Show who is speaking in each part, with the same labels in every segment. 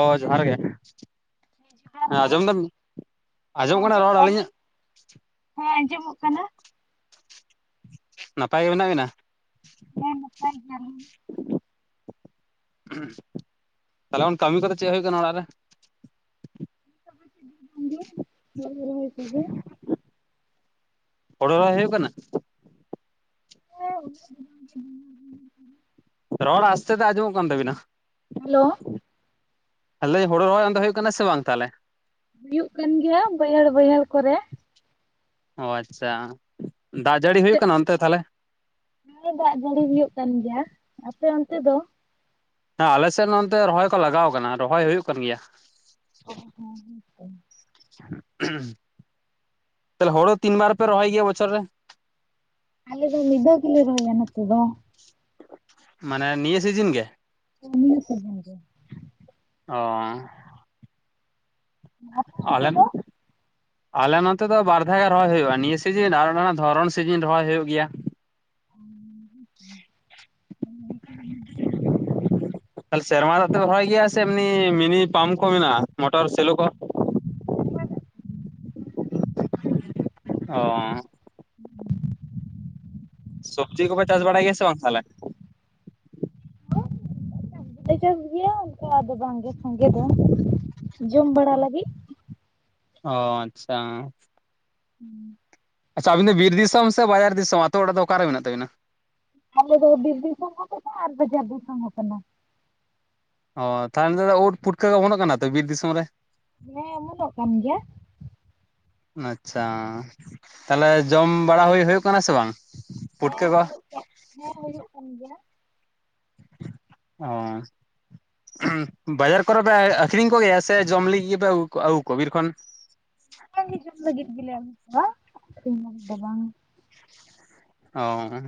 Speaker 1: ᱦᱚ ᱡᱚᱦᱟᱨ ᱜᱮ, ᱦᱮᱸ ᱟᱸᱡᱚᱢ ᱫᱟᱢ᱾ ᱟᱸᱡᱚᱢᱚᱜ ᱠᱟᱱᱟ ᱨᱚᱲ ᱟᱹᱞᱤᱧᱟᱜ?
Speaker 2: ᱦᱮᱸ ᱟᱸᱡᱚᱢᱚᱜ ᱠᱟᱱᱟ᱾
Speaker 1: ᱱᱟᱯᱟᱭ ᱜᱮ ᱢᱮᱱᱟᱜ ᱵᱮᱱᱟ?
Speaker 2: ᱦᱮᱸ ᱱᱟᱯᱟᱭ ᱜᱮᱭᱟ ᱞᱤᱧ᱾
Speaker 1: ᱛᱟᱦᱚᱞᱮ ᱠᱟᱹᱢᱤ ᱠᱚᱫᱚ ᱪᱮᱫ ᱦᱩᱭᱩᱜ ᱠᱟᱱᱟ ᱚᱲᱟᱜ ᱨᱮ?
Speaker 2: [unintelligible]
Speaker 1: ᱦᱳᱲᱳ ᱨᱚᱦᱚᱭ ᱦᱩᱭᱩᱜ ᱠᱟᱱᱟ?
Speaker 2: ᱦᱮᱸ [inaudible]
Speaker 1: ᱨᱚᱲ ᱟᱥᱛᱮ ᱛᱮ ᱟᱸᱡᱚᱢᱚᱜ ᱠᱟᱱ ᱛᱟᱹᱵᱤᱱᱟ᱾
Speaker 2: ᱦᱮᱞᱳ,
Speaker 1: ᱟᱞᱮ ᱦᱳᱲᱳ ᱨᱚᱦᱚᱭ ᱚᱱᱛᱮ ᱦᱩᱭᱩᱜ ᱠᱟᱱᱟ ᱥᱮ ᱵᱟᱝ ᱛᱟᱦᱚᱞᱮ?
Speaker 2: ᱦᱩᱭᱩᱜ ᱠᱟᱱ ᱜᱮᱭᱟ ᱵᱟᱹᱭᱦᱟᱹᱲ ᱵᱟᱹᱭᱦᱟᱹᱲ ᱠᱚᱨᱮ᱾
Speaker 1: ᱚ ᱟᱪᱪᱷᱟ, ᱫᱟᱜ ᱡᱟᱹᱲᱤ
Speaker 2: ᱟᱯᱮ
Speaker 1: ᱦᱩᱭᱩᱜ ᱠᱟᱱᱟ ᱚᱱᱛᱮ ᱛᱟᱦᱞᱮ?
Speaker 2: ᱦᱮᱸ ᱫᱟᱜ ᱡᱟᱹᱲᱤ ᱦᱩᱭᱩᱜ ᱠᱟᱱ ᱜᱮᱭᱟ, ᱟᱯᱮ ᱚᱱᱛᱮ ᱫᱚ?
Speaker 1: ᱛᱟ ᱟᱞᱮ ᱥᱮᱱ ᱚᱱᱛᱮ ᱨᱚᱦᱚᱭ ᱠᱚ ᱞᱟᱜᱟᱣ ᱟᱠᱟᱱᱟ ᱨᱚᱦᱚᱭ ᱦᱩᱭᱩᱜ ᱠᱟᱱ ᱜᱮᱭᱟ᱾
Speaker 2: ᱚ ᱦᱚ ᱦᱚᱸ [inaudible]
Speaker 1: ᱛᱟᱦᱞᱮ ᱦᱳᱲᱳ ᱛᱤᱱ ᱵᱟᱨ ᱯᱮ ᱨᱚᱦᱚᱭ ᱜᱮᱭᱟ ᱵᱚᱪᱷᱚᱨ ᱨᱮ?
Speaker 2: ᱟᱞᱮ ᱫᱚ ᱱᱤᱫᱟᱹ ᱜᱮᱞᱮ ᱨᱚᱦᱚᱭᱟ ᱱᱚᱛᱮ ᱫᱚ᱾
Speaker 1: ᱢᱟᱱᱮ ᱱᱤᱭᱟᱹ ᱥᱤᱡᱤᱱ ᱜᱮ?
Speaker 2: ᱱᱤᱭᱟᱹ ᱥᱤᱡᱤᱱ ᱜᱮ᱾
Speaker 1: ᱚᱻ
Speaker 2: ᱟᱯᱮ ᱚᱱᱛᱮ ᱫᱚ
Speaker 1: [unintelligible] ᱟᱞᱮ ᱱᱚᱛᱮ ᱫᱚ ᱵᱟᱨ ᱫᱷᱟᱣ ᱜᱮ ᱨᱚᱦᱚᱭ ᱦᱩᱭᱩᱜ-ᱟ᱾ ᱱᱤᱭᱟᱹ ᱥᱤᱡᱤᱱ ᱟᱨ ᱦᱚ ᱫᱷᱚᱨᱚᱱ ᱥᱤᱡᱤᱱ ᱨᱚᱦᱚᱭ ᱦᱩᱭᱩᱜ ᱜᱮᱭᱟ᱾
Speaker 2: [inaudible]
Speaker 1: ᱛᱟᱦᱚᱞᱮ ᱥᱮᱨᱢᱟ ᱫᱟᱜ ᱛᱮ ᱯᱮ ᱨᱚᱦᱚᱭ ᱜᱮᱭᱟ ᱥᱮ ᱮᱢᱱᱤ ᱢᱤᱱᱤ ᱯᱟᱢᱯ ᱠᱚ ᱢᱮᱱᱟᱜ-ᱟ᱾ ᱢᱚᱴᱚᱨ ᱥᱮᱞᱳ ᱠᱚ? ᱚᱻ
Speaker 2: [inaudible]
Speaker 1: ᱥᱚᱵᱽᱡᱤ ᱠᱚᱯᱮ ᱪᱟᱥ ᱵᱟᱲᱟᱭ ᱜᱮᱭᱟ ᱥᱮ ᱵᱟᱝ ᱛᱟᱦᱚᱞᱮ?
Speaker 2: [inaudible] ᱪᱟᱥ ᱫᱚᱞᱮ ᱪᱟᱥ ᱜᱮᱭᱟ ᱚᱱᱠᱟ ᱫᱚ ᱵᱟᱝᱜᱮ ᱥᱟᱸᱜᱮ ᱫᱚ᱾ ᱡᱚᱢ ᱵᱟᱲᱟ ᱞᱟᱹᱜᱤᱜ᱾
Speaker 1: ᱚ ᱟᱪᱪᱷᱟ,
Speaker 2: [inaudible]
Speaker 1: ᱟᱪᱪᱷᱟ, ᱟᱹᱵᱤᱱ ᱫᱚ ᱵᱤᱨ ᱫᱤᱥᱚᱢ ᱥᱮ, ᱵᱟᱡᱟᱨ ᱫᱤᱥᱚᱢ ᱟᱹᱛᱩ ᱚᱲᱟᱜ ᱫᱚ ᱚᱠᱟ ᱨᱮ ᱢᱮᱱᱟᱜ ᱛᱟᱵᱤᱱᱟ?
Speaker 2: ᱟᱞᱮ ᱫᱚ ᱵᱤᱨ ᱫᱤᱥᱚᱢ ᱦᱚ ᱠᱟᱱᱟ ᱟᱨ ᱵᱟᱡᱟᱨ ᱫᱤᱥᱚᱢ ᱦᱚ ᱠᱟᱱᱟ᱾
Speaker 1: ᱚ ᱛᱟᱦᱚᱞᱮ ᱫᱚ ᱩᱫ ᱯᱩᱴᱠᱟᱹ ᱚᱢᱚᱱᱚᱜ ᱠᱟᱱᱟ ᱛᱚ ᱵᱤᱨ ᱫᱤᱥᱚᱢ ᱨᱮ?
Speaker 2: ᱦᱮᱸ ᱚᱢᱚᱱᱚᱜ ᱠᱟᱱ ᱜᱮᱭᱟ᱾
Speaker 1: [inaudible] ᱟᱪᱪᱷᱟ, ᱛᱟᱦᱞᱮ ᱡᱚᱢ ᱵᱟᱲᱟ ᱦᱳᱭ- ᱦᱳᱭᱳᱜ ᱠᱟᱱᱟ ᱥᱮ ᱵᱟᱝ
Speaker 2: ᱦᱮᱸ
Speaker 1: ᱯᱩᱴᱠᱟᱹ ᱠᱚ?
Speaker 2: ᱦᱩᱭᱩᱜ ᱦᱮᱸ ᱦᱩᱭᱩᱜ ᱠᱟᱱ ᱜᱮᱭᱟ᱾
Speaker 1: ᱚᱻ ᱵᱟᱡᱟᱨ ᱠᱚᱨᱮ ᱯᱮ ᱟᱠᱷᱨᱤᱧ ᱠᱚ ᱜᱮᱭᱟ ᱥᱮ ᱡᱚᱢ ᱞᱟᱹᱜᱤᱫ ᱜᱮᱯᱮ ᱟᱹᱜᱩ ᱠᱚ ᱵᱤᱨ ᱠᱷᱚᱱ?
Speaker 2: ᱡᱚᱢ ᱞᱟᱹᱜᱤᱫ ᱜᱮᱞᱮ ᱟᱹᱜᱩ ᱠᱚᱣᱟ, ᱟᱠᱷᱨᱤᱧ ᱞᱟᱹᱜᱤᱫ ᱫᱚ ᱵᱟᱝ᱾
Speaker 1: ᱚᱻ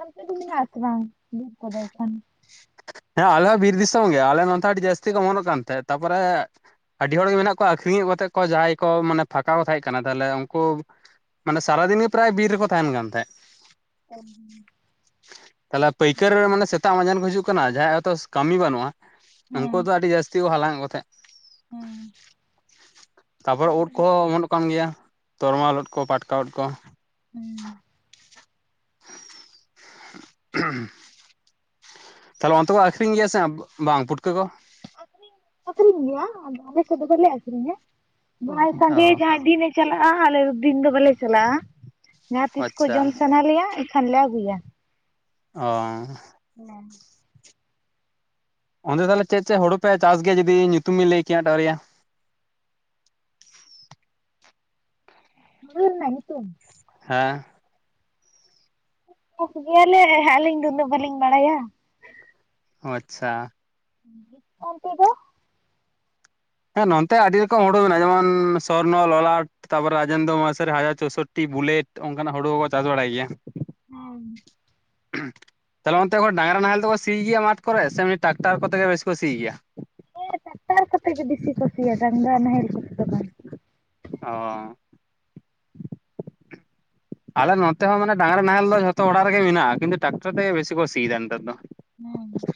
Speaker 2: ᱚᱱᱛᱮ ᱫᱚ ᱢᱮᱱᱟᱜ ᱟᱥᱮ ᱵᱟᱝ ᱵᱤᱱ ᱠᱚᱫᱚ ᱮᱱᱠᱷᱟᱱ?
Speaker 1: ᱦᱮᱸ ᱟᱞᱮ ᱦᱚᱸ ᱵᱤᱨ ᱫᱤᱥᱚᱢ ᱜᱮ ᱟᱞᱮ ᱱᱚᱛᱮ ᱟᱹᱰᱤ ᱡᱟᱹᱥᱛᱤ ᱠᱚ ᱚᱢᱚᱱᱚᱜ ᱠᱟᱱ ᱛᱟᱦᱮᱸᱜ, ᱛᱟᱯᱚᱨᱮ ᱟᱹᱰᱤ ᱦᱚᱲ ᱜᱮ ᱢᱮᱱᱟᱜ ᱠᱚᱣᱟ ᱟᱠᱷᱨᱤᱧᱮᱜ ᱠᱟᱛᱮᱜ ᱠᱚ ᱡᱟᱦᱟᱸᱭ ᱠᱚ ᱢᱟᱱᱮ ᱯᱷᱟᱸᱠᱟ ᱠᱚ ᱛᱟᱦᱮᱸ ᱠᱟᱱᱟ ᱛᱟᱦᱚᱞᱮ ᱩᱱᱠᱩ ᱢᱟᱱᱮ ᱥᱟᱨᱟ ᱫᱤᱱ ᱜᱮ ᱯᱨᱟᱭ ᱵᱤᱨ ᱨᱮᱠᱚ ᱛᱟᱦᱮᱱ ᱠᱟᱱ ᱛᱟᱦᱮᱸᱫ᱾
Speaker 2: [inaudible]
Speaker 1: ᱛᱟᱞᱦᱮ ᱯᱟᱹᱭᱠᱟᱹᱨ ᱨᱮ ᱢᱟᱱᱮ ᱥᱮᱛᱟᱜ ᱢᱟᱡᱟᱱ ᱠᱚ ᱦᱤᱡᱩᱜ ᱠᱟᱱᱟ ᱡᱟᱦᱟᱸᱭ ᱦᱚᱭᱛᱚ ᱠᱟᱹᱢᱤ ᱵᱟᱹᱱᱩᱜᱼᱟ᱾ ᱩᱱᱠᱩ ᱫᱚ ᱟᱹᱰᱤ ᱡᱟᱹᱥᱛᱤ ᱠᱚ ᱦᱟᱞᱟᱝ ᱮᱸᱜ ᱠᱚ ᱛᱟᱦᱮᱸᱫ᱾
Speaker 2: ᱦᱩᱸ᱾
Speaker 1: ᱛᱟᱯᱚᱨᱮ ᱳᱫ ᱠᱚᱦᱚᱸ ᱮᱢᱚᱱᱚᱜ ᱠᱟᱱ ᱜᱮᱭᱟ, ᱛᱚᱨᱢᱟᱞ ᱳᱫ ᱠᱚ, ᱯᱟᱴᱠᱟ ᱳᱫ ᱠᱚ᱾
Speaker 2: [unintelligible]
Speaker 1: [unintelligible] ᱛᱟᱦᱚᱞᱮ ᱚᱱᱛᱮ ᱠᱚ ᱟᱠᱷᱨᱤᱧ ᱜᱮᱭᱟ ᱥᱮ ᱵᱟᱝ ᱯᱩᱴᱠᱟᱹ ᱠᱚ?
Speaker 2: ᱟᱹᱷᱨᱤᱧ ᱜᱮᱭᱟ ᱟᱞᱮ ᱥᱮᱫ ᱫᱚ ᱵᱟᱞᱮ ᱟᱠᱷᱨᱤᱧᱟ ᱡᱟᱦᱟᱭ ᱥᱟᱸᱜᱮ
Speaker 1: ᱚ
Speaker 2: ᱡᱟᱦᱟᱭ ᱰᱤ ᱪᱟᱞᱟᱜᱼᱟ ᱟᱞᱮ ᱫᱤᱱ ᱫᱚ ᱵᱟᱞᱮ ᱪᱟᱞᱟᱜᱼᱟ, ᱡᱟᱦᱟᱸ ᱛᱤᱥ ᱠᱚ
Speaker 1: ᱟᱪᱪᱷᱟ
Speaker 2: ᱡᱚᱢ ᱥᱟᱱᱟ ᱞᱮᱭᱟ ᱮᱱᱠᱷᱟᱱ ᱞᱮ ᱟᱜᱩᱭᱟ᱾
Speaker 1: ᱚᱻ
Speaker 2: ᱦᱮᱸ᱾
Speaker 1: ᱚᱸᱫᱮ ᱛᱟᱦᱚᱞᱮ ᱪᱮᱫ ᱪᱮᱫ ᱦᱳᱲᱳ ᱯᱮ ᱪᱟᱥ ᱜᱮᱭᱟ ᱡᱩᱫᱤ ᱧᱩᱛᱩᱢᱤᱧ ᱞᱟᱹᱭ ᱠᱮᱭᱟ [unintelligible] ᱭᱟ?
Speaker 2: ᱦᱩᱲᱩ ᱨᱮᱱᱟᱜ ᱱᱤᱛᱩᱢ?
Speaker 1: ᱦᱮᱸ᱾
Speaker 2: ᱵᱮᱥ ᱜᱮᱭᱟᱞᱮ ᱟᱹᱞᱤᱧ ᱫᱚ ᱩᱱᱟᱹᱜ ᱵᱟᱹᱞᱤᱧ ᱵᱟᱲᱟᱭᱟ᱾
Speaker 1: ᱚ ᱟᱪᱪᱷᱟ᱾
Speaker 2: ᱚᱱᱛᱮ ᱫᱚ?
Speaker 1: ᱦᱮᱸ ᱱᱚᱱᱚᱛ ᱟᱹᱰᱤ ᱨᱚᱠᱚᱢ ᱦᱳᱲᱳ ᱢᱮᱱᱟᱜᱼᱟ ᱡᱮᱢᱚᱱ ᱥᱚᱨᱱᱚ, ᱞᱚᱞᱟᱴ᱾ ᱛᱟᱯᱚᱨᱮ ᱨᱟᱡᱮᱱᱫᱚ ᱢᱟᱥᱟᱨᱮ, ᱦᱟᱡᱟᱨ ᱪᱳᱥᱳᱴᱤ, ᱵᱩᱞᱮᱴ ᱚᱱᱠᱟᱱᱟᱜ ᱦᱳᱲᱳ ᱠᱚᱠᱚ ᱪᱟᱥ ᱵᱟᱲᱟᱭ ᱜᱮᱭᱟ᱾
Speaker 2: ᱦᱩᱸ᱾
Speaker 1: [inaudible] ᱛᱟᱦᱚᱞᱮ ᱚᱱᱛᱮ ᱫᱚ ᱰᱟᱝᱨᱟ ᱱᱟᱦᱮᱞ ᱫᱚᱠᱚ ᱥᱤᱭ ᱜᱮᱭᱟ ᱢᱟᱴ ᱠᱚᱨᱮ ᱥᱮ ᱮᱢᱱᱤ ᱴᱨᱟᱠᱴᱟᱨ ᱠᱚᱛᱮᱜ ᱜᱮ ᱵᱮᱥᱤ ᱠᱚ ᱥᱤ ᱜᱮᱭᱟ?
Speaker 2: ᱦᱮᱸ ᱴᱟᱠᱴᱟᱨ ᱠᱚᱛᱮ ᱜᱮ ᱵᱮᱥᱤ ᱠᱩ ᱥᱤᱭᱟ ᱰᱟᱝᱨᱟ ᱱᱟᱦᱮᱞ ᱠᱚᱛᱮ ᱫᱚ ᱵᱟᱝ?
Speaker 1: ᱚ [inaudible] ᱟᱞᱮ ᱱᱚᱛᱮ ᱦᱚᱸ ᱢᱟᱱᱮ ᱰᱟᱝᱨᱟ ᱱᱟᱦᱮᱞ ᱛᱚ ᱡᱷᱚᱛᱚ ᱚᱲᱟᱜ ᱨᱮᱜᱮ ᱢᱮᱱᱟᱜᱼᱟ ᱠᱤᱱᱛᱩ ᱴᱟᱠᱴᱟᱨ ᱛᱮᱜᱮ ᱵᱮᱥᱤ ᱠᱚ ᱥᱤᱭ ᱫᱟ ᱱᱮᱛᱟᱨ ᱫᱚ
Speaker 2: ᱦᱩᱸ᱾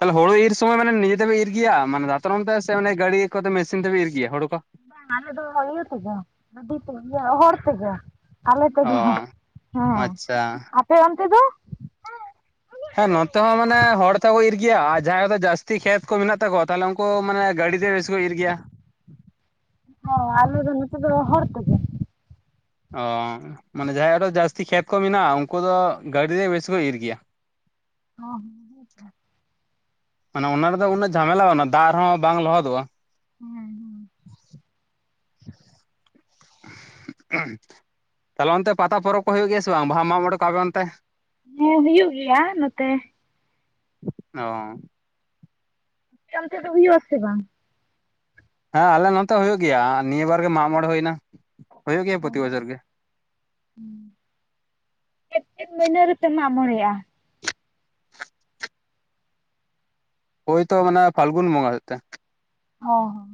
Speaker 1: ᱛᱟᱦᱚᱞᱮ ᱦᱳᱲᱳ ᱤᱨ ᱥᱚᱢᱚᱭ ᱱᱤᱡᱮ ᱛᱮᱵᱮ ᱤᱨ ᱜᱮᱭᱟ ᱢᱟᱱᱮ ᱫᱟᱛᱨᱚᱢ ᱛᱮᱥᱮ ᱜᱟᱹᱰᱤ ᱠᱚᱛᱮ ᱢᱮᱥᱤᱱ ᱛᱮᱯᱮ ᱤᱨ ᱜᱮᱭᱟ ᱦᱳᱲᱳ ᱠᱚ?
Speaker 2: ᱵᱟᱝ ᱟᱞᱮ ᱫᱚ ᱤᱭᱟᱹ ᱛᱮᱜᱮ ᱜᱟᱰᱤ ᱛᱮ ᱜᱮ ᱤᱭᱟᱹ ᱦᱚᱲ ᱛᱮᱜᱮ᱾ ᱟᱞᱮ
Speaker 1: ᱚ
Speaker 2: ᱛᱮᱜᱮ ᱦᱮᱸ
Speaker 1: ᱟᱪᱪᱷᱟ
Speaker 2: ᱟᱯᱮ ᱚᱱᱛᱮ ᱫᱚ?
Speaker 1: ᱦᱮᱸ ᱱᱚᱛᱮ ᱦᱚᱸ ᱢᱟᱱᱮ ᱦᱚᱲ ᱛᱮᱠᱚ ᱤᱨ ᱜᱮᱭᱟ ᱟᱨ ᱡᱟᱦᱟᱸᱭ ᱠᱚᱫᱚ ᱡᱟᱹᱥᱛᱤ ᱠᱷᱮᱛ ᱠᱚ ᱢᱮᱱᱟᱜ ᱛᱟᱠᱚᱣᱟ ᱛᱟᱦᱚᱞᱮ ᱩᱱᱠᱩ ᱠᱚ ᱢᱟᱱᱮ ᱜᱟᱹᱰᱤ ᱛᱮ ᱵᱮᱥᱤ ᱠᱚ ᱤᱨ ᱜᱮᱭᱟ᱾
Speaker 2: ᱦᱮᱸ ᱟᱞᱮ ᱫᱚ ᱱᱚᱛᱮ ᱫᱚ ᱦᱚᱲ ᱛᱮᱜᱮ᱾
Speaker 1: ᱚ ᱢᱟᱱᱮ ᱡᱟᱦᱟᱸᱭᱟᱜ ᱟᱨᱦᱚ ᱡᱟᱹᱥᱛᱤ ᱠᱷᱮᱛ ᱠᱚ ᱢᱮᱱᱟᱜᱼᱟ ᱩᱱᱠᱩ ᱫᱚ ᱜᱟᱹᱰᱤ ᱛᱮ ᱵᱮᱥᱤ ᱠᱚ ᱤᱨ ᱜᱮᱭᱟ᱾
Speaker 2: ᱚ [inaudible]
Speaker 1: ᱢᱟᱱᱮ ᱚᱱᱟ ᱨᱮᱫᱚ ᱩᱱᱟᱹᱜ ᱡᱷᱟᱢᱮᱞᱟ ᱚᱱᱟ ᱫᱟᱜ ᱨᱮᱦᱚᱸ ᱵᱟᱝ ᱞᱚᱦᱚᱫᱚᱜᱼᱟ᱾
Speaker 2: ᱦᱮᱸ ᱦᱩᱸ᱾
Speaker 1: [unintelligible] ᱛᱟᱦᱚᱞᱮ ᱚᱱᱛᱮ ᱯᱟᱛᱟ ᱯᱚᱨᱚᱵᱽ ᱠᱚ ᱦᱳᱭᱳᱜ ᱜᱮᱭᱟ ᱥᱮ ᱵᱟᱝ ᱵᱟᱦᱟ ᱢᱟᱜ ᱢᱚᱸᱬᱮ ᱠᱚ ᱟᱯᱮ ᱚᱱᱛᱮ?
Speaker 2: ᱦᱮᱸ ᱦᱩᱭᱩᱜ ᱜᱮᱭᱟ ᱱᱚᱛᱮ
Speaker 1: ᱚ
Speaker 2: ᱚᱱᱛᱮ ᱫᱚ ᱦᱩᱭᱩᱜ ᱟᱥᱮ ᱵᱟᱝ?
Speaker 1: ᱦᱮᱸ ᱟᱞᱮ ᱱᱚᱛᱮ ᱦᱚᱸ ᱦᱳᱭᱳᱜ ᱜᱮᱭᱟ ᱱᱤᱭᱟᱹ ᱵᱟᱨ ᱜᱮ ᱢᱟᱜ ᱢᱚᱬᱮ ᱦᱳᱭ ᱮᱱᱟ ᱦᱩᱭᱩᱜ ᱜᱮᱭᱟ ᱯᱨᱚᱛᱤ ᱵᱚᱪᱷᱚᱨ ᱜᱮ᱾
Speaker 2: ᱦᱮᱸ ᱪᱮᱫ ᱪᱮᱫ ᱢᱟᱹᱦᱤᱱᱟᱹ ᱨᱮᱯᱮ ᱢᱟᱜ ᱢᱚᱬᱮ-ᱟ?
Speaker 1: ᱳᱭ ᱛᱚ ᱢᱟᱱᱮ ᱯᱷᱟᱞᱜᱩᱱ ᱵᱚᱸᱜᱟ ᱥᱮ ᱛᱮ
Speaker 2: ᱚ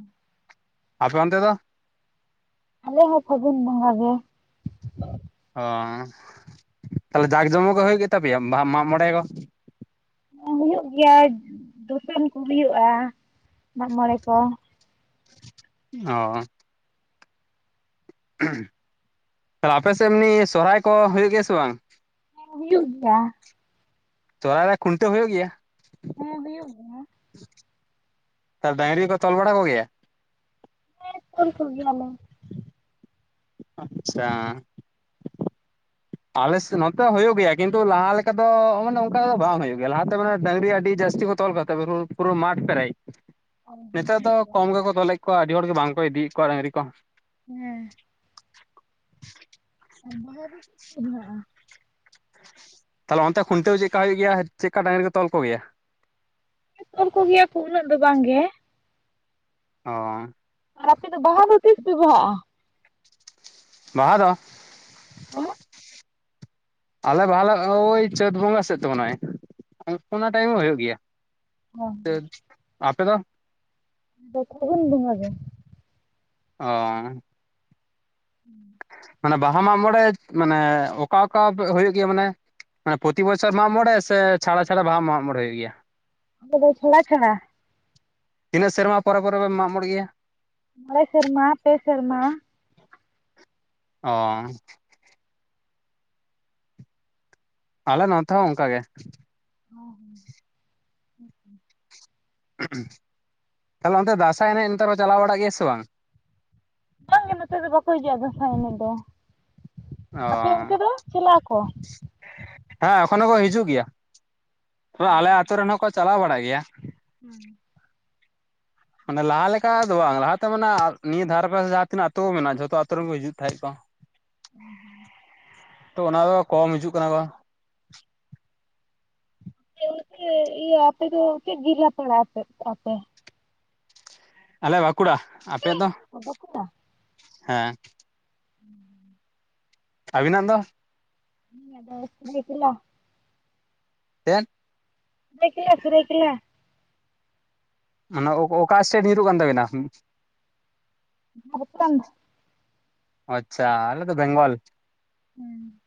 Speaker 1: ᱟᱯᱮ ᱚᱱᱛᱮ ᱫᱚ
Speaker 2: ᱟᱞᱮ ᱦᱚᱸ ᱯᱷᱟᱜᱩᱱ ᱵᱚᱸᱜᱟ ᱜᱮ᱾
Speaker 1: ᱚ ᱛᱟᱦᱚᱞᱮ ᱡᱟᱸᱠ ᱡᱚᱢᱚᱠ ᱜᱮ ᱦᱩᱭᱩᱜ ᱜᱮ ᱛᱟᱯᱮᱭᱟ ᱵᱟᱦᱟ ᱢᱟᱜ ᱢᱚᱬᱮ ᱠᱚ
Speaker 2: ᱦᱩᱭᱩᱜ ᱜᱮᱭᱟ ᱫᱩᱥᱚᱱ ᱠᱚ ᱦᱩᱭᱩᱜᱼᱟ ᱢᱟᱜᱢᱚᱬᱮ ᱠᱚ
Speaker 1: ᱚ ᱛᱟᱦᱚᱞᱮ ᱟᱯᱮ ᱥᱮᱜ ᱮᱢᱱᱤ ᱥᱚᱨᱦᱟᱹᱭ ᱠᱚ ᱦᱩᱭᱩᱜ ᱜᱮᱭᱟ ᱥᱮ ᱵᱟᱝ?
Speaker 2: ᱦᱩᱭᱩᱜ ᱜᱮᱭᱟ᱾
Speaker 1: ᱥᱚᱨᱦᱟᱹᱭ ᱨᱮ ᱠᱷᱩᱱᱴᱟ ᱦᱳᱭᱳᱜ ᱜᱮᱭᱟ?
Speaker 2: ᱦᱮᱸ ᱦᱩᱭᱩᱜ ᱜᱮᱭᱟ᱾
Speaker 1: ᱟᱨ ᱰᱟᱝᱨᱤ ᱠᱚ ᱛᱚᱞ ᱵᱟᱲᱟ ᱠᱚᱜᱮ ᱭᱟ?
Speaker 2: ᱦᱮᱸ ᱛᱚᱞ ᱠᱚᱜᱮ ᱭᱟ ᱞᱮ᱾
Speaker 1: ᱟᱪᱪᱷᱟ᱾ ᱟᱞᱮ ᱥᱮᱜ ᱱᱚᱛᱮ ᱦᱩᱭᱩᱜ ᱜᱮᱭᱟ ᱠᱤᱱᱛᱩ ᱞᱟᱦᱟ ᱞᱮᱠᱟ ᱫᱚ ᱩᱱ ᱚᱝᱠᱟ ᱫᱚ ᱵᱟᱝ ᱦᱩᱭᱩᱜ ᱜᱮᱭᱟ ᱞᱟᱦᱟᱛᱮ ᱢᱟᱱᱮ ᱰᱟᱝᱨᱤ ᱟᱹᱰᱤ ᱡᱟᱹᱥᱛᱤ ᱠᱚ ᱛᱚᱞ ᱠᱟ ᱯᱩᱨᱟᱹ ᱢᱟᱴ ᱯᱮᱨᱮᱡ। ᱱᱮᱛᱟᱨ ᱫᱚ ᱠᱚᱢ ᱜᱮᱠᱚ ᱛᱚᱞᱮᱜ ᱠᱚᱣᱟ ᱟᱹᱰᱤ ᱦᱚᱲ ᱜᱮ ᱵᱟᱝᱠᱚ ᱤᱫᱤᱭᱮᱜ ᱠᱚᱣᱟ ᱰᱟᱹᱝᱨᱤ ᱠᱚ।
Speaker 2: ᱦᱮᱸ [unintelligible]
Speaker 1: ᱛᱟᱦᱚᱞᱮ ᱚᱱᱛᱮ ᱠᱷᱩᱱᱴᱟᱹᱣ ᱪᱮᱜ ᱠᱟ ᱦᱩᱭᱩᱜ ᱜᱮᱭᱟ ᱪᱮᱜ ᱠᱟ ᱰᱟᱝᱨᱤ ᱠᱚ ᱛᱚᱞ ᱠᱚᱜᱮᱭᱟ?
Speaker 2: ᱛᱚᱞ ᱠᱚᱜᱮᱭᱟ ᱠᱚ ᱩᱱᱟᱹᱜ ᱫᱚ ᱵᱟᱝᱜᱮ।
Speaker 1: ᱚ
Speaker 2: ᱟᱯᱮ ᱫᱚ ᱵᱟᱦᱟ ᱛᱤᱥ ᱯᱮ ᱵᱟᱦᱟᱜᱼᱟ?
Speaker 1: ᱵᱟᱦᱟ ᱫᱚ
Speaker 2: ᱦᱮᱸ
Speaker 1: ᱟᱞᱮ ᱵᱟᱦᱟᱞᱮ ᱳᱭ ᱪᱟᱹᱛ ᱵᱚᱸᱜᱟ ᱥᱮᱫ ᱛᱮ ᱢᱚᱱᱮ ᱦᱚᱭ ᱚᱱᱟ ᱴᱟᱭᱤᱢ ᱦᱩᱭᱩᱜ ᱜᱮᱭᱟ। ᱟᱯᱮ ᱫᱚ?
Speaker 2: ᱯᱷᱟᱜᱩᱱ ᱵᱚᱸᱜᱟ ᱜᱮ।
Speaker 1: ᱚ
Speaker 2: [unintelligible]
Speaker 1: ᱢᱟᱱᱮ ᱵᱟᱦᱟ ᱢᱟᱜ ᱢᱚᱬᱮ ᱢᱟᱱᱮ ᱚᱠᱟ ᱚᱠᱟ ᱦᱩᱭᱩᱜ ᱜᱮᱭᱟ ᱢᱟᱱᱮ? ᱢᱟᱱᱮ ᱯᱚᱛᱤ ᱵᱚᱪᱷᱚᱨ ᱢᱟᱜ ᱢᱚᱬᱮ ᱥᱮ ᱪᱷᱟᱲᱟ ᱪᱷᱟᱲᱟ ᱵᱟᱦᱟ ᱢᱟᱜ ᱢᱚᱲᱮ ᱦᱩᱭᱩᱜ ᱜᱮᱭᱟ?
Speaker 2: ᱠᱚᱫᱚ ᱪᱷᱲᱟ ᱪᱷᱲᱟ।
Speaker 1: ᱛᱤᱱᱟᱹᱜ ᱥᱮᱨᱢᱟ ᱯᱚᱨᱮ ᱯᱚᱨᱮ ᱞᱮ ᱢᱟᱜ ᱢᱚᱬᱮᱜ ᱜᱮᱭᱟ?
Speaker 2: ᱢᱚᱲᱮ ᱥᱮᱨᱢᱟ, ᱯᱮ ᱥᱮᱨᱢᱟ।
Speaker 1: ᱚ ᱟᱞᱮ ᱱᱚᱛᱮ ᱦᱚᱸ ᱚᱝᱠᱟ ᱜᱮ।
Speaker 2: [unintelligible]
Speaker 1: ᱛᱟᱦᱞᱮ ᱚᱱᱛᱮ ᱫᱟᱸᱥᱟᱭ ᱮᱱᱮᱡ ᱱᱮᱛᱟᱨ ᱠᱚ ᱪᱟᱞᱟᱣ ᱵᱟᱲᱟᱜ ᱜᱮᱭᱟ ᱥᱮ ᱵᱟᱝ?
Speaker 2: ᱵᱟᱝᱜᱮ ᱱᱚᱛᱮ ᱫᱚ ᱵᱟᱠᱚ ᱦᱤᱡᱩᱜᱼᱟ ᱫᱟᱸᱥᱟᱭ ᱮᱱᱮᱡ ᱫᱚ
Speaker 1: ᱚ
Speaker 2: ᱟᱯᱮ ᱚᱱᱛᱮ ᱫᱚ ᱪᱟᱞᱟᱜ ᱟᱠᱚ?
Speaker 1: ᱦᱮᱸ ᱮᱠᱷᱚᱱᱳ ᱠᱚ ᱦᱤᱡᱩᱜ ᱜᱮᱭᱟ ᱛᱚᱵᱮ ᱟᱞᱮ ᱟᱹᱛᱩᱳ ᱨᱮᱱ ᱦᱚᱸ ᱠᱚ ᱪᱟᱞᱟᱣ ᱵᱟᱲᱟᱜ ᱜᱮᱭᱟ।
Speaker 2: [unintelligible]
Speaker 1: ᱢᱟᱱᱮ ᱞᱟᱦᱟ ᱞᱮᱠᱟ ᱫᱚ ᱵᱟᱝ ᱞᱟᱦᱟᱛᱮ ᱢᱟᱱᱮ ᱱᱤᱭᱟᱹ ᱫᱷᱟᱨ ᱯᱟᱥ ᱡᱟᱦᱟᱸ ᱛᱤᱱᱟᱹᱜ ᱟᱛᱳ ᱢᱮᱱᱟᱜᱼᱟ ᱡᱷᱚᱛᱚ ᱟᱛᱳ ᱨᱮᱱᱠᱚ ᱦᱤᱡᱩᱜ ᱛᱟᱦᱮᱸᱱ ᱠᱚ।
Speaker 2: [unintelligible]
Speaker 1: ᱛᱚ ᱚᱱᱟ ᱫᱚ ᱠᱚᱢ ᱦᱤᱡᱩᱜ ᱠᱟᱱᱟ ᱵᱟ
Speaker 2: [unintelligible] ᱤᱭᱟᱹ ᱤᱭᱟᱹ ᱟᱯᱮ ᱫᱚ ᱪᱮᱫ ᱡᱤᱞᱟ ᱯᱮ ᱯᱟᱲᱟᱜᱼᱟ ᱟᱯᱮ?
Speaker 1: ᱟᱞᱮ ᱵᱟᱸᱠᱩᱲᱟ ᱾ ᱟᱯᱮ ᱫᱚ?
Speaker 2: [unintelligible]
Speaker 1: ᱦᱮᱸ᱾
Speaker 2: [unintelligible]
Speaker 1: ᱟᱹᱵᱤᱱᱟᱜ ᱫᱚ?
Speaker 2: ᱟᱹᱞᱤᱧᱟᱜ ᱫᱚ ᱥᱩᱨᱟᱹᱭᱠᱮᱞᱟ ᱾
Speaker 1: [unintelligible]
Speaker 2: ᱥᱩᱨᱟᱹᱭᱠᱮᱞᱟ ᱥᱩᱨᱟᱹᱭᱠᱮᱞᱟ᱾
Speaker 1: ᱢᱟᱱᱮ ᱚ ᱚᱠᱟ ᱮᱥᱴᱮᱴ ᱧᱩᱨᱩᱜ ᱠᱟᱱ ᱛᱟᱵᱤᱱᱟ?
Speaker 2: [unintelligible]
Speaker 1: ᱟᱪᱪᱷᱟ ᱟᱞᱮ ᱫᱚ ᱵᱮᱝᱜᱚᱞ᱾
Speaker 2: ᱦᱩᱸ᱾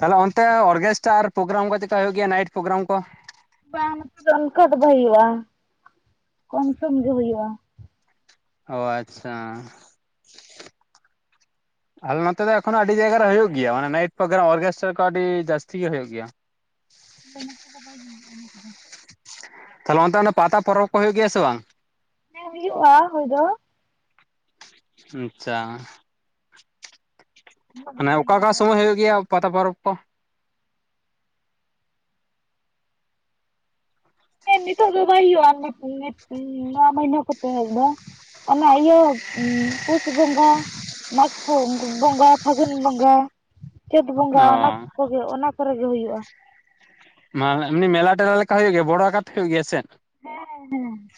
Speaker 1: ᱛᱟᱦᱚᱞᱮ ᱚᱱᱛᱮ ᱚᱨᱜᱮᱥᱴᱟᱨ ᱯᱨᱳᱜᱨᱟᱢ ᱠᱚ ᱪᱮᱫᱠᱟ ᱦᱩᱭᱩᱜ ᱜᱮᱭᱟ ᱱᱟᱭᱤᱴ ᱯᱨᱳᱜᱨᱟᱢ ᱠᱚ?
Speaker 2: ᱵᱟᱝ ᱱᱚᱛᱮ ᱫᱚ ᱚᱱᱠᱟ ᱫᱚ ᱵᱟᱭ ᱦᱩᱭᱩᱜ-ᱟ ᱾ ᱠᱚᱢ ᱥᱚᱢ ᱜᱮ ᱦᱩᱭᱩᱜ-ᱟ ᱾
Speaker 1: ᱚᱸ ᱟᱪᱪᱷᱟ ᱟᱞᱮ ᱱᱚᱛᱮ ᱫᱚ ᱮᱠᱷᱚᱱᱳ ᱟᱹᱰᱤ ᱡᱟᱭᱜᱟ ᱨᱮ ᱦᱩᱭᱩᱜ ᱜᱮᱭᱟ ᱢᱟᱱᱮ ᱱᱟᱭᱤᱴ ᱯᱨᱳᱜᱨᱟᱢ ᱚᱨᱠᱮᱥᱴᱟᱨ ᱠᱚ ᱟᱹᱰᱤ ᱡᱟᱹᱟᱥᱛᱤ ᱜᱮ ᱦᱩᱭᱩᱜ ᱜᱮᱭᱟ᱾
Speaker 2: ᱟᱞᱮ ᱱᱚᱛᱮ ᱫᱚ ᱵᱟᱭ ᱦᱩᱭᱩᱜ-ᱟ ᱚᱱᱟ ᱠᱚᱫᱚ᱾
Speaker 1: ᱛᱟᱦᱞᱮ ᱚᱱᱛᱮ ᱚᱱᱟ ᱯᱟᱛᱟ ᱯᱚᱨᱚᱵᱽ ᱠᱚ ᱦᱩᱭᱩᱜ ᱜᱮᱭᱟ ᱥᱮ ᱵᱟᱝ?
Speaker 2: ᱦᱮᱸ ᱦᱩᱭᱩᱜᱼᱟ ᱦᱩᱭ ᱫᱚ᱾
Speaker 1: ᱟᱪᱪᱷᱟ᱾ ᱢᱟᱱᱮ ᱚᱠᱟ ᱚᱠᱟ ᱥᱚᱢᱚᱭ ᱦᱩᱭᱩᱜ ᱜᱮᱭᱟ ᱯᱟᱛᱟ ᱯᱚᱨᱚᱵᱽ ᱠᱚ?
Speaker 2: ᱦᱮᱸ ᱱᱤᱛᱚᱜ ᱫᱚ ᱵᱟᱭ ᱦᱩᱭᱩᱜᱼᱟ ᱱᱤᱛ ᱱᱤᱛ ᱱᱚᱣᱟ ᱢᱟᱹᱦᱱᱟᱹ ᱠᱚᱛᱮ ᱫᱚ᱾ ᱚᱱᱟ ᱤᱭᱟᱹ ᱯᱩᱥ ᱵᱚᱸᱜᱟ ᱾ ᱢᱟᱜᱷ ᱵᱚᱸᱜᱟ, ᱯᱷᱟᱹᱜᱩᱱ ᱵᱚᱸᱜᱟ᱾ ᱪᱟᱹᱛ ᱵᱚᱸᱜᱟ
Speaker 1: ᱚ
Speaker 2: ᱚᱱᱟ ᱠᱚᱜᱮ ᱚᱱᱟ ᱠᱚᱨᱮ ᱜᱮ ᱦᱩᱭᱩᱜ-ᱟ ᱾
Speaker 1: ᱢᱟᱱᱮ ᱮᱢᱱᱤ ᱢᱮᱞᱟ ᱴᱮᱞᱟ ᱞᱮᱠᱟ ᱦᱩᱭᱩᱜ ᱜᱮᱭᱟ ᱵᱚᱲᱚ ᱟᱠᱟᱨ ᱛᱮ ᱦᱩᱭᱩᱜ ᱜᱮᱭᱟ ᱥᱮᱫ?
Speaker 2: ᱦᱮᱸ ᱦᱮᱸ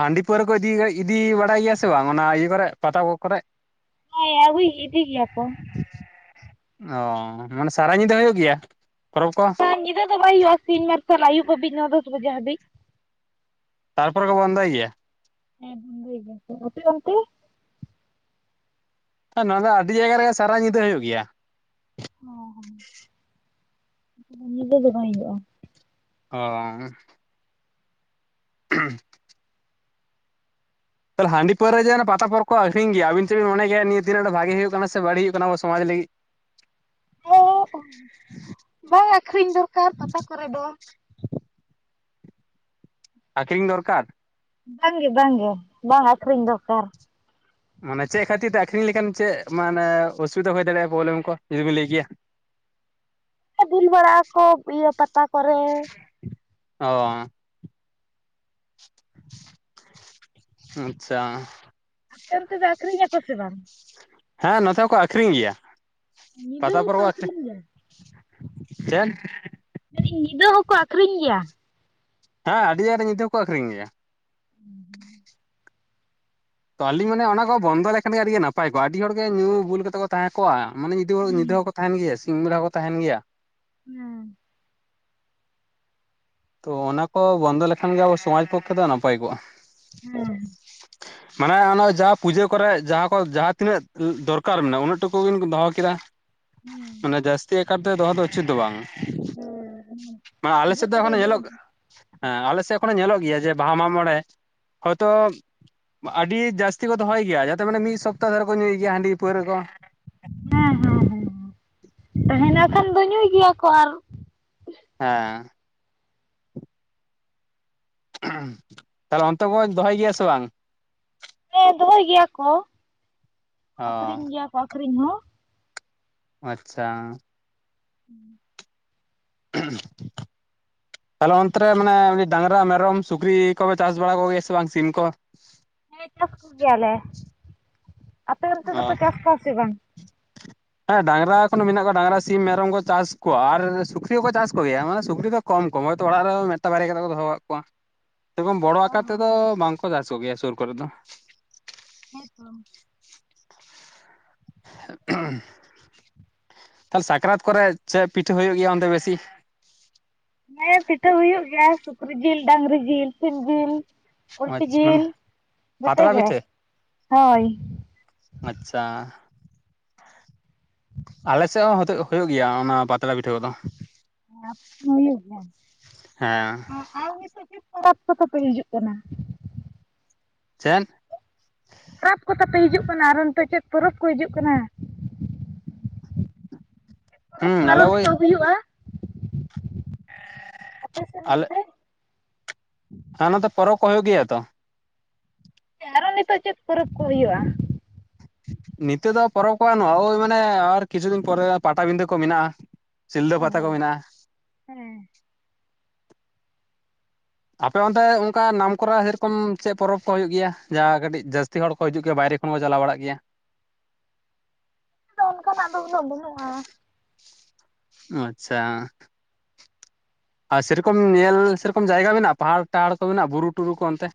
Speaker 1: ᱦᱟᱺᱰᱤ ᱯᱟᱹᱣᱨᱟᱹ ᱠᱚ ᱤᱫᱤ ᱤᱫᱤᱭ ᱵᱟᱲᱟᱭ ᱜᱮᱭᱟ ᱥᱮ ᱵᱟᱝ ᱚᱱᱟ ᱤᱭᱟᱹ ᱠᱚᱨᱮ ᱯᱟᱛᱟ ᱠᱚ ᱠᱚᱨᱮ᱾
Speaker 2: ᱦᱮᱸ ᱟᱭᱩᱭ ᱤᱫᱤ ᱜᱮᱭᱟ ᱠᱚ᱾
Speaker 1: ᱚᱸ ᱢᱟᱱᱮ ᱥᱟᱨᱟ ᱧᱤᱫᱟᱹ ᱦᱩᱭᱩᱜ ᱜᱮᱭᱟ ᱯᱚᱨᱚᱵᱽ ᱠᱚ᱾
Speaker 2: ᱧᱤᱫᱟᱹ ᱫᱚ ᱵᱟᱭ ᱦᱩᱭᱩᱜᱼᱟ ᱥᱤᱧ ᱢᱟᱨᱥᱟᱞ ᱟᱹᱭᱩᱵ ᱦᱟᱹᱵᱤᱡ ᱱᱚ ᱫᱚᱥ ᱵᱟᱡᱮ ᱦᱟᱹᱵᱤᱡ᱾
Speaker 1: ᱛᱟᱨᱯᱚᱨᱮ ᱠᱚ ᱵᱚᱱᱫᱚᱭ ᱜᱮᱭᱟ᱾
Speaker 2: ᱦᱮᱸ ᱵᱚᱱᱫᱚᱭ ᱜᱮᱭᱟ ᱠᱚ ᱾ ᱟᱯᱮ ᱚᱱᱛᱮ?
Speaker 1: ᱦᱮᱸ ᱱᱚᱣᱟ ᱫᱚ ᱟᱹᱰᱤ ᱡᱟᱭᱜᱟ ᱨᱮᱜᱮ ᱥᱟᱨᱟ ᱧᱤᱫᱟᱹ ᱦᱩᱭᱩᱜ ᱜᱮᱭᱟ᱾
Speaker 2: ᱚᱸ ᱧᱤᱫᱟᱹ ᱫᱚ ᱵᱟᱭ ᱦᱩᱭᱩᱜᱼᱟ᱾
Speaker 1: ᱚᱸ [unintelligible] ᱛᱟᱦᱞᱮ ᱦᱟᱺᱰᱤ ᱯᱟᱹᱣᱨᱟᱹ ᱡᱮ ᱯᱟᱛᱟ ᱯᱚᱨᱚᱵᱽ ᱠᱚ ᱟᱹᱠᱷᱨᱤᱧ ᱜᱮᱭᱟ ᱟᱵᱤᱱ ᱪᱮᱫᱵᱤᱱ ᱢᱚᱱᱮ ᱜᱮᱭᱟ ᱱᱤᱭᱟᱹ ᱛᱤᱱᱟᱹᱜ ᱜᱟᱱ ᱵᱷᱟᱜᱮ ᱦᱩᱭᱩᱜ ᱠᱟᱱᱟ ᱥᱮ ᱵᱟᱹᱲᱤᱡ ᱦᱩᱭᱩᱜ ᱠᱟᱱᱟ ᱟᱵᱚ ᱥᱚᱢᱟᱡᱽ ᱞᱟᱹᱜᱤᱫ?
Speaker 2: ᱵᱟᱝ-ᱟ ᱟᱠᱷᱨᱤᱧ ᱫᱚᱨᱠᱟᱨ ᱯᱟᱛᱟ ᱠᱚᱨᱮ ᱫᱚ᱾
Speaker 1: ᱟᱠᱠᱷᱨᱤᱧ ᱫᱚᱨᱠᱟᱨ?
Speaker 2: ᱵᱟᱝ ᱜᱮ ᱵᱟᱝ ᱜᱮ ᱵᱟᱝ ᱟᱹᱠᱷᱨᱤᱧ ᱫᱚᱨᱠᱟᱨ᱾
Speaker 1: ᱢᱟᱱᱮ ᱪᱮᱫ ᱠᱷᱟᱹᱛᱤᱨ ᱛᱮ ᱟᱠᱷᱨᱤᱧ ᱞᱮᱠᱷᱟᱱ ᱪᱮᱫ ᱢᱟᱱᱮ ᱚᱥᱩᱵᱤᱫᱟ ᱦᱩᱭ ᱫᱟᱲᱮᱭᱟᱜᱼᱟ ᱯᱨᱚᱵᱞᱮᱢ ᱠᱚ ᱡᱩᱫᱤ ᱵᱤᱱ ᱞᱟᱹᱭ ᱠᱮᱭᱟ? [unintelligible]
Speaker 2: ᱵᱩᱞ ᱵᱟᱲᱟᱜ ᱟᱠᱚ ᱤᱭᱟᱹ ᱯᱟᱛᱟ ᱠᱚᱨᱮ᱾
Speaker 1: ᱚᱸ ᱟᱪᱪᱷᱟ
Speaker 2: ᱟᱯᱮ ᱚᱱᱛᱮ ᱫᱚ ᱟᱹᱠᱷᱨᱤᱧ ᱟᱠᱚ ᱥᱮ ᱵᱟᱝ?
Speaker 1: ᱦᱮᱸ ᱱᱚᱛᱮ ᱦᱚᱸᱠᱚ ᱟᱠᱷᱨᱤᱧ ᱜᱮᱭᱟ
Speaker 2: ᱧᱤᱫᱟᱹ
Speaker 1: ᱯᱟᱛᱟ ᱯᱚᱨᱮ
Speaker 2: ᱦᱚᱸᱠᱚ
Speaker 1: ᱠᱚ ᱟᱹᱷᱨᱤᱧ
Speaker 2: ᱟᱠᱷᱨᱤᱧ ᱜᱮᱭᱟ᱾
Speaker 1: ᱪᱮᱫ
Speaker 2: ᱢᱮᱱᱫᱟᱹᱧ ᱧᱤᱫᱟᱹ ᱦᱚᱸᱠᱚ ᱟᱠᱷᱨᱤᱧ ᱜᱮᱭᱟ?
Speaker 1: ᱦᱮᱸ ᱟᱹᱰᱤ ᱟᱹᱱᱤᱡ ᱧᱤᱫᱟᱹ ᱦᱚᱸᱠᱚ ᱟᱠᱷᱨᱤᱧ ᱜᱮᱭᱟ ᱾
Speaker 2: ᱦᱩᱸ ᱦᱩᱸ
Speaker 1: ᱛᱚ ᱟᱹᱞᱤᱧ ᱢᱟᱱᱮ ᱚᱱᱟ ᱠᱚ ᱵᱚᱱᱫᱚ ᱞᱮᱠᱷᱟᱱ ᱜᱮ ᱟᱹᱰᱤ ᱜᱮ ᱱᱟᱯᱟᱭ ᱠᱚᱜ, ᱟᱹᱰᱤ ᱦᱚᱲᱜᱮ ᱧᱩ ᱵᱩᱞ ᱠᱟᱛᱮ ᱠᱚ ᱛᱟᱦᱮᱸ ᱠᱚᱜᱟ, ᱢᱟᱱᱮ ᱧᱤᱫᱟᱹ ᱦᱚᱸ
Speaker 2: ᱦᱩᱸ᱾
Speaker 1: ᱧᱤᱫᱟᱹ ᱦᱚᱸᱠᱚ ᱛᱟᱦᱮᱱ ᱜᱮᱭᱟ ᱥᱤᱧ ᱵᱮᱲᱟ ᱦᱚᱸᱠᱚ ᱛᱟᱦᱮᱱ ᱜᱮᱭᱟ᱾
Speaker 2: ᱦᱮᱸ
Speaker 1: ᱛᱚ ᱚᱱᱟ ᱠᱚ ᱵᱚᱱᱫᱚ ᱞᱮᱠᱷᱟᱱ ᱜᱮ ᱟᱵᱚ ᱥᱚᱢᱟᱡᱽ ᱯᱚᱠᱠᱷᱮ ᱫᱚ ᱱᱟᱯᱟᱭ ᱠᱚᱜ-ᱟ ᱾
Speaker 2: ᱦᱮᱸ
Speaker 1: [inaudible] ᱢᱟᱱᱮ ᱚᱱᱟ ᱡᱟᱦᱟᱸ ᱯᱩᱡᱟᱹ ᱠᱚᱨᱮᱜ ᱡᱟᱦᱟᱸ ᱠᱚ ᱡᱟᱦᱟᱸ ᱛᱤᱱᱟᱹᱜ ᱫᱚᱨᱠᱟᱨ ᱢᱮᱱᱟᱜᱼᱟ ᱩᱱᱟᱹᱜ ᱴᱩᱠᱩ ᱵᱤᱱ ᱫᱚᱦᱚ ᱠᱮᱫᱟ,
Speaker 2: ᱦᱩᱸ
Speaker 1: ᱢᱟᱱᱮ ᱡᱟᱹᱥᱛᱤ ᱟᱠᱟᱛ ᱛᱮ ᱫᱚᱦᱚ ᱫᱚ ᱩᱪᱤᱛ ᱫᱚ ᱵᱟᱝ, ᱢᱟᱱᱮ ᱟᱞᱮ
Speaker 2: ᱯᱩᱡᱟᱹ
Speaker 1: ᱥᱮᱫ
Speaker 2: ᱠᱚᱨᱮ
Speaker 1: ᱮᱠᱷᱚᱱ
Speaker 2: ᱜᱮ
Speaker 1: ᱧᱮᱞᱚᱜ ᱦᱮ, ᱟᱞᱮ ᱥᱮᱫ ᱮᱠᱷᱚᱱ ᱧᱮᱞᱚᱜ ᱜᱮᱭᱟ ᱡᱮ ᱵᱟᱦᱟ ᱢᱟᱜ ᱢᱚᱬᱮ ᱦᱳᱭᱛᱚ ᱟᱹᱰᱤ ᱡᱟᱹᱥᱛᱤ ᱠᱚ ᱫᱚᱦᱚᱭ ᱜᱮᱭᱟ, ᱡᱟᱛᱮ ᱢᱟᱱᱮ ᱢᱤᱫ ᱥᱚᱯᱛᱟᱦ ᱫᱷᱚᱨᱮ ᱠᱚ ᱧᱩᱭ ᱜᱮᱭᱟ ᱦᱟᱺᱰᱤ ᱯᱟᱹᱣᱨᱟᱹ ᱠᱚ,
Speaker 2: ᱦᱮᱸ ᱦᱮᱸ ᱦᱮᱸ ᱛᱟᱦᱮᱱᱟ ᱠᱷᱟᱱ ᱫᱚ ᱧᱩᱭ ᱜᱮᱭᱟ ᱠᱚ, ᱟᱨ
Speaker 1: ᱦᱮᱸ, ᱛᱟᱦᱚᱞᱮ ᱚᱱᱛᱮ ᱵᱚᱱ ᱫᱚᱦᱚᱭ ᱜᱮᱭᱟ ᱥᱮ ᱵᱟᱝ?
Speaker 2: ᱦᱮᱸ ᱫᱚᱦᱚᱭ ᱜᱮᱭᱟ ᱠᱚ,
Speaker 1: ᱚ
Speaker 2: ᱟᱠᱷᱨᱤᱧ ᱜᱮᱭᱟ ᱠᱚ ᱟᱠᱷᱨᱤᱧ ᱦᱚᱸ,
Speaker 1: ᱟᱪᱪᱷᱟ, [inaudible] ᱛᱟᱦᱚᱞᱮ ᱚᱱᱛᱮ ᱨᱮ ᱢᱟᱱᱮ ᱰᱟᱝᱨᱟ, ᱢᱮᱨᱚᱢ, ᱥᱩᱠᱨᱤ, ᱠᱚᱯᱮ ᱪᱟᱥ ᱵᱟᱲᱟ ᱠᱚᱜᱮᱭᱟ ᱥᱮ ᱵᱟᱝ ᱥᱤᱢ ᱠᱚ?
Speaker 2: ᱦᱮ ᱪᱟᱥ ᱠᱚ ᱜᱮᱭᱟᱞᱮ, ᱟᱯᱮ ᱚᱱᱛᱮ ᱫᱚᱠᱚ ᱪᱟᱥ ᱠᱚᱣᱟ ᱥᱮ ᱵᱟᱝ?
Speaker 1: [inaudible] ᱦᱮᱸ ᱰᱟᱝᱨᱟ ᱠᱷᱚᱱ ᱢᱮᱱᱟᱜ ᱠᱚᱣᱟ ᱰᱟᱝᱨᱟ ᱥᱤᱢ ᱢᱮᱨᱚᱢ ᱠᱚ ᱪᱟᱥ ᱠᱚᱣᱟ ᱟᱨ ᱥᱩᱠᱨᱤ ᱦᱚᱸᱠᱚ ᱪᱟᱥ ᱠᱚᱜᱮᱭᱟ ᱢᱟᱱᱮ, ᱥᱩᱠᱨᱤ ᱫᱚ ᱠᱚᱢ ᱠᱚᱢ ᱦᱚᱳᱭᱛᱚ ᱚᱲᱟᱜ ᱨᱮ ᱢᱤᱫᱴᱟᱝ ᱵᱟᱨᱮᱭᱟ ᱠᱟᱛᱮᱠᱚ ᱫᱚᱦᱚ ᱟᱠᱟᱜ ᱠᱚᱣᱟ, ᱮᱵᱚᱝ ᱵᱚᱲᱚ
Speaker 2: ᱚ
Speaker 1: ᱟᱠᱟᱠᱟᱨ
Speaker 2: ᱦᱚᱸ
Speaker 1: ᱛᱮᱫᱚ ᱵᱟᱝᱠᱚ ᱪᱟᱥ ᱠᱚᱜ ᱜᱮᱭᱟ ᱥᱩᱨ ᱠᱚᱨᱮ ᱫᱚ,
Speaker 2: [inaudible]
Speaker 1: ᱛᱟᱦᱞᱮ ᱥᱟᱠᱨᱟᱛ ᱠᱚᱨᱮ ᱪᱮᱫ ᱯᱤᱴᱷᱟᱹ ᱦᱩᱭᱩᱜ ᱜᱮᱭᱟ ᱚᱱᱛᱮ ᱵᱮᱥᱤ?
Speaker 2: ᱦᱮᱸ ᱯᱤᱴᱷᱟᱹ ᱦᱩᱭᱩᱜ ᱜᱮᱭᱟ, ᱥᱩᱠᱨᱤ ᱡᱤᱞ, ᱰᱟᱝᱨᱤ ᱡᱤᱞ, ᱥᱤᱢ ᱡᱤᱞ, ᱯᱩᱞᱴᱤ
Speaker 1: ᱢᱟᱱᱮ
Speaker 2: ᱡᱮᱞ ᱡᱚᱛᱚ
Speaker 1: ᱯᱟᱛᱲᱟ
Speaker 2: ᱜᱮ
Speaker 1: ᱯᱤᱴᱷᱟᱹ
Speaker 2: ᱦᱳᱭ,
Speaker 1: ᱟᱪᱪᱷᱟ, ᱟᱞᱮᱥᱮᱫ ᱦᱚᱸ ᱦᱩᱭᱩᱜ ᱜᱮᱭᱟ ᱚᱱᱟ ᱯᱟᱛᱲᱟ ᱯᱤᱴᱷᱟᱹ ᱠᱚᱫᱚ,
Speaker 2: ᱮᱫ ᱥᱩᱥᱩᱱᱤᱭᱟᱹ ᱥᱮᱫ,
Speaker 1: ᱦᱮᱸ
Speaker 2: ᱟᱨ ᱱᱤᱛᱚᱜ ᱪᱮᱫ ᱯᱚᱨᱚᱵᱽ ᱠᱚ ᱛᱟᱯᱮ ᱦᱤᱡᱩᱜ, ᱠᱟᱱᱟ
Speaker 1: ᱪᱮᱫ?
Speaker 2: ᱯᱚᱨᱚᱵᱽ ᱠᱚᱫᱟ ᱯᱮ ᱦᱤᱡᱩᱜ ᱠᱟᱱᱟ, ᱟᱨ ᱚᱱᱛᱮ ᱪᱮᱫ ᱯᱚᱨᱚᱵᱽ ᱠᱚ ᱦᱤᱡᱩᱜ ᱠᱟᱱᱟ?
Speaker 1: [inaudible]
Speaker 2: ᱯᱚᱨᱚᱯ ᱠᱚ ᱟᱨᱚ
Speaker 1: ᱟᱞᱮ ᱳᱭ
Speaker 2: ᱱᱤᱛᱚᱜ ᱦᱩᱭᱩᱜᱼᱟ? ᱟᱯᱮ ᱥᱮᱫ
Speaker 1: ᱟᱞᱮ
Speaker 2: ᱚᱱᱛᱮ?
Speaker 1: ᱦᱮᱸ ᱱᱚᱛᱮ ᱯᱚᱨᱚ ᱠᱚ ᱦᱩᱭᱩᱜ ᱜᱮᱭᱟ ᱛᱚ?
Speaker 2: ᱟᱨᱚ ᱱᱤᱛᱚᱜ ᱪᱮᱫ ᱯᱚᱨᱚᱵᱽ ᱠᱚ ᱦᱩᱭᱩᱜᱼᱟ?
Speaker 1: ᱱᱤᱛᱚᱜ ᱫᱚ ᱯᱚᱨᱚᱵᱽ ᱠᱚ ᱵᱟᱱᱩᱜᱼᱟ, ᱳᱭ ᱢᱟᱱᱮ ᱟᱨ ᱠᱤᱪᱷᱩ ᱫᱤᱱ ᱯᱚᱨᱮ ᱯᱟᱴᱟᱵᱤᱸᱫᱟᱹ ᱠᱚ ᱢᱮᱱᱟᱜᱼᱟ,
Speaker 2: ᱚ
Speaker 1: ᱥᱤᱞᱫᱟᱹ ᱯᱟᱛᱟ ᱠᱚ
Speaker 2: ᱦᱚᱸ
Speaker 1: ᱢᱮᱱᱟᱜᱼᱟ,
Speaker 2: ᱦᱮᱸ,
Speaker 1: ᱟᱯᱮ ᱚᱱᱛᱮ ᱚᱱᱠᱟ ᱱᱟᱢᱠᱚᱨ ᱥᱮᱨᱚᱠᱚᱢ ᱪᱮᱫ ᱯᱚᱨᱚᱵᱽ ᱠᱚ ᱦᱩᱭᱩᱜ ᱜᱮᱭᱟ? ᱡᱟ ᱠᱟᱹᱴᱤᱡ ᱡᱟᱹᱥᱛᱤ ᱦᱚᱲ ᱠᱚ ᱦᱤᱡᱩᱜ ᱜᱮᱭᱟ ᱵᱟᱭᱨᱮ ᱠᱷᱚᱱ ᱠᱚ ᱪᱟᱞᱟ ᱵᱟᱲᱟᱜ ᱜᱮᱭᱟ?
Speaker 2: ᱟᱫᱚ ᱚᱱᱠᱟᱱᱟᱜ ᱫᱚ ᱩᱱᱟᱹ ᱵᱟᱹᱱᱩᱜᱼᱟ,
Speaker 1: ᱟᱪᱪᱷᱟ, ᱟᱨ ᱥᱮᱨᱚᱠᱚᱢ ᱧᱮᱞ ᱥᱮᱨᱚᱠᱚᱢ ᱡᱟᱭᱜᱟ ᱢᱮᱱᱟᱜᱼᱟ ᱯᱟᱦᱟᱲᱼᱟᱦᱟᱲ ᱠᱚ ᱢᱮᱱᱟᱜᱼᱟ ᱵᱩᱨᱩ ᱴᱩᱨᱩ ᱠᱚ ᱚᱱᱛᱮ